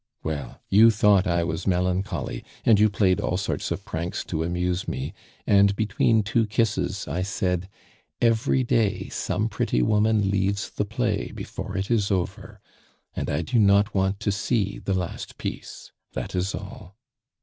Well, you thought I was melancholy, and you played all sorts of pranks to amuse me, and between two kisses I said, 'Every day some pretty woman leaves the play before it is over!' And I do not want to see the last piece; that is all.